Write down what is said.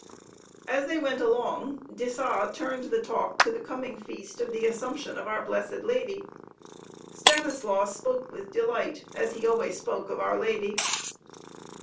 As they went along, de Sa turned the talk to the coming feast of the Assumption of our Blessed Lady. Stanislaus spoke with delight, as he always spoke of our Lady.